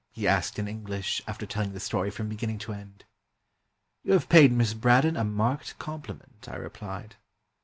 he asked in English, after telling the story from beginning to end. "You have paid Miss Braddon a marked compli ment," I replied.